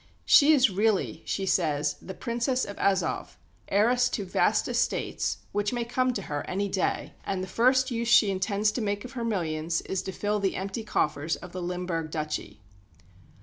She is really, she says, the Princess of Azov, heiress to vast estates, which may come to her any day; and the first use she intends to make of her millions is to fill the empty coffers of the Limburg duchy.